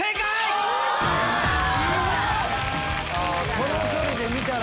この距離で見たら。